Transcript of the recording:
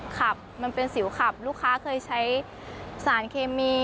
ขับมันเป็นสิวขับลูกค้าเคยใช้สารเคมี